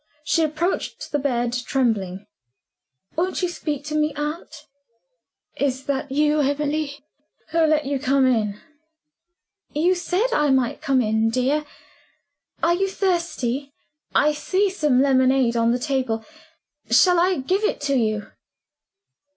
She approached the bed trembling. "Won't you speak to me, aunt?" "Is that you, Emily? Who let you come in?" "You said I might come in, dear. Are you thirsty? I see some lemonade on the table. Shall I give it to you?"